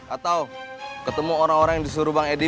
atau ketemu orang orang yang disuruh bang edi